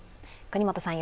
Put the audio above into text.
國本さん